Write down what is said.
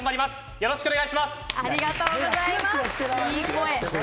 よろしくお願いします。